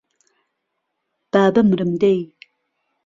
با بمرم دەی